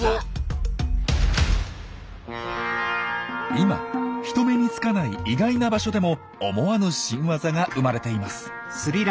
今人目につかない意外な場所でも思わぬ新ワザが生まれています。